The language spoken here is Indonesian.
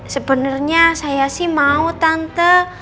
sebenarnya saya sih mau tante